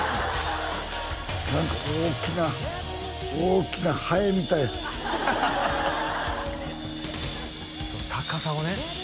何か大きな大きなハエみたい高さもね